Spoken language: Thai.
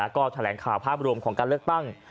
ก็แถลงข่าวภาพรวมของการเลือกตั้ง